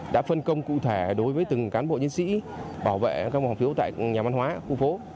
đã phân công cụ thể đối với từng cán bộ chiến sĩ bảo vệ các vòng phiếu tại nhà văn hóa khu phố